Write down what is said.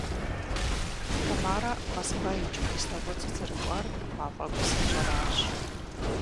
Тамарэ Москва икӏыу Кисловодск зэрыкӏуар мафӏэгу псынщӏэр арщ.